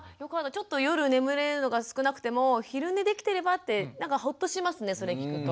ちょっと夜眠れるのが少なくても昼寝できてればってなんかほっとしますねそれ聞くと。